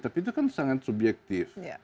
tapi itu kan sangat subjektif